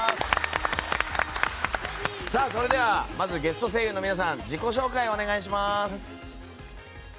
それでは、ゲスト声優の皆さん自己紹介をお願いします。